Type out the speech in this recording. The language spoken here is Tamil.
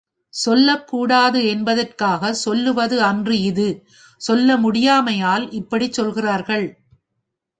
சொல்லக்கூடாது என்பதற்காகச் சொல்வது அன்று இது, சொல்ல முடியாமையால் இப்படிச் சொல்கிறார்கள்.